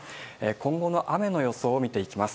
今後の雨の予想を見ていきます。